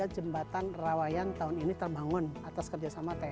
tiga puluh tiga jembatan rawayan tahun ini terbangun atas kerjasama tni